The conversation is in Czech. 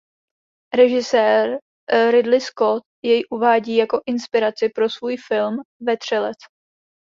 Režisér Ridley Scott jej uvádí jako inspiraci pro svůj film "Vetřelec".